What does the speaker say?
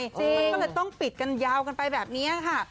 มันก็เลยต้องปิดกันยาวกันไปแบบนี้ค่ะ